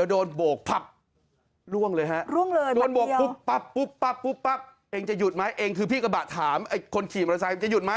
คนขี่มอเตอร์ไซค์จะยุดไหม